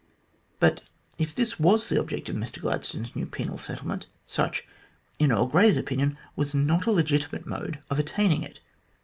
But if this was the object of Mr Gladstone's new penal settlement, such, in Earl Grey's opinion, was not a legitimate mode of attaining it.